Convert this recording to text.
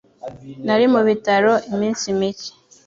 Nari mu bitaro iminsi mike.